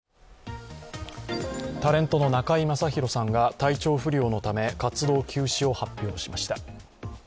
タレントの中居正広さんが体調不良のため活動休止を発表しました。